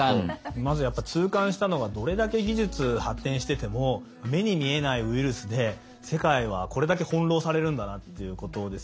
まずやっぱ痛感したのはどれだけ技術発展してても目に見えないウイルスで世界はこれだけ翻弄されるんだなっていうことですよね。